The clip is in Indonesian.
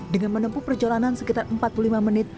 dengan menempuh perjalanan sekitar empat puluh lima menit